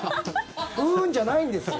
ふーんじゃないんですよ！